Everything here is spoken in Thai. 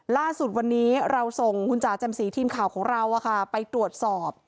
ล่าสุดวันนี้เราส่งทิมข่าวของเราไปตรวจสอบ